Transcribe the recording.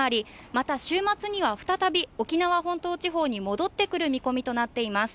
また、週末には再び沖縄本島付近に戻ってくる見込みとなっています。